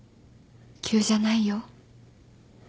急じゃないよ。